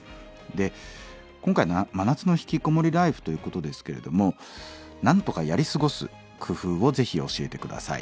で今回「真夏のひきこもりライフ」ということですけれどもなんとかやり過ごす工夫をぜひ教えて下さい。